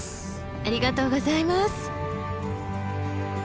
ありがとうございます！